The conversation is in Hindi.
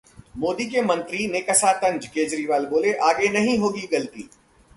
मोदी के मंत्री ने कसा तंज, केजरीवाल बोले- आगे नहीं होगी गलती